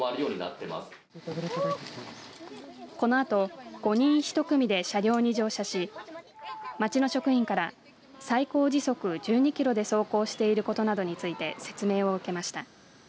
このあと５人１組で車両に乗車し町の職員から最高時速１２キロで走行していることなどについて説明を受けました。